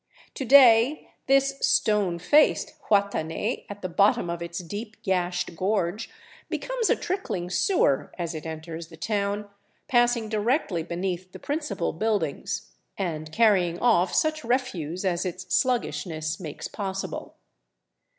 To day this " stone faced " Huatenay at the bottom of its deep gashed gorge becomes a trickling sewer as it enters the town, passing directly beneath the principal buildings and carrying off such 426 THE CITY OF THE SUN refuse as its sluggishness makes possible.